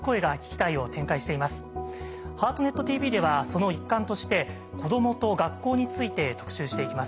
「ハートネットＴＶ」ではその一環として子どもと学校について特集していきます。